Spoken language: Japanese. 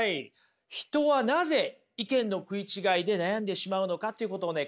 人はなぜ意見の食い違いで悩んでしまうのかっていうことをね